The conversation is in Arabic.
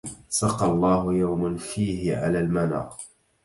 سقى الله يوما فيه على المنى